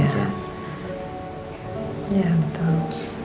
ya aku tahu